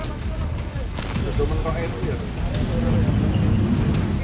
jatuh mengerok itu ya